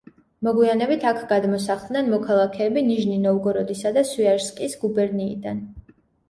მოგვიანებით აქ გადმოსახლდნენ მოქალაქეები ნიჟნი-ნოვგოროდისა და სვიაჟსკის გუბერნიიდან.